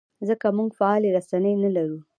ځکه موږ فعالې رسنۍ نه لرو.